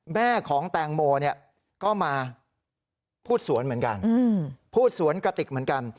แม่ของแตงโมเนี่ยก็มาพูดสวนเหมือนกันพูดสวนกระติกเหมือนกัน